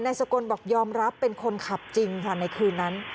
สกลบอกยอมรับเป็นคนขับจริงค่ะในคืนนั้น